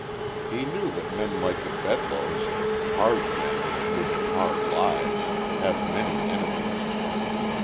He knew that men like the Bedloes, hard men living hard lives, have many enemies.